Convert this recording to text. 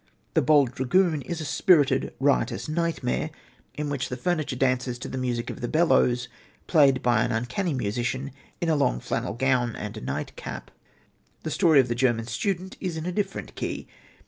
The Bold Dragoon is a spirited, riotous nightmare in which the furniture dances to the music of the bellows played by an uncanny musician in a long flannel gown and a nightcap. The Story of the German Student is in a different key.